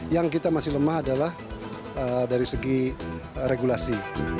yang kita masih lemah adalah dari segi regulasi